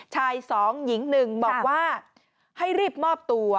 ชายสองหญิงหนึ่งบอกว่าให้รีบมอบตัว